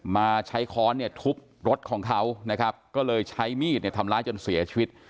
มาใช้ค้อนเนี่ยทุบรถของเขานะครับก็เลยใช้มีดเนี่ยทำร้ายจนเสียชีวิต